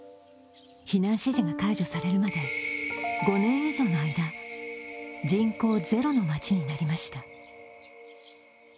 避難指示が解除されるまで５年以上の間人口ゼロの街になりました。